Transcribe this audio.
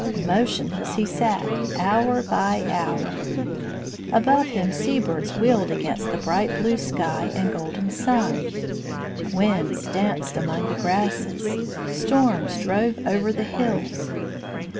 Motionless he sat, hour by hour. Above him sea birds wheeled against the bright blue sky and golden sun. Winds danced among the grasses; storms drove over the hills.